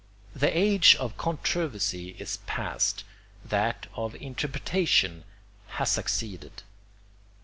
The age of controversy is past; that of interpretation has succeeded.